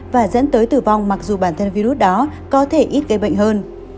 và dẫn tới tử vong mặc dù bản thân virus đó có thể ít gây bệnh hơn